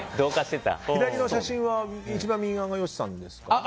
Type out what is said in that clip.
左の写真は一番右側が善しさんですか。